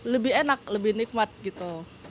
lebih enak lebih nikmat gitu